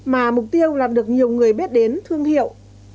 mà mục tiêu là được nhiều người biết đến thương hiệu